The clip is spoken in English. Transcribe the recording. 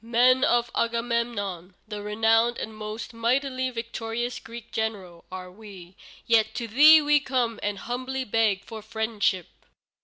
Men of Agamemnon, the renowned and most mightily victorious Greek general, are we, yet to thee we come and humbly beg for friendship."